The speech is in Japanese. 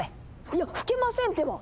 いや吹けませんってば！